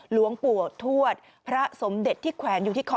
หลวงปู่ทวดพระสมเด็จที่แขวนอยู่ที่คอ